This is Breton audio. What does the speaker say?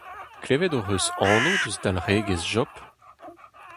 Klevet hoc’h eus anv eus dalc’hegezh Job.